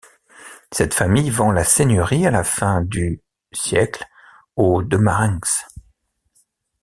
Cette famille vend la seigneurie à la fin du s. aux De Marrenx.